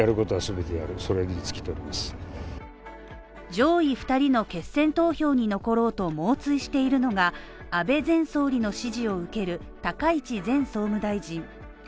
上位２人の決選投票に残ろうと猛追しているのが安倍前総理の支持を受ける高市前総務大臣。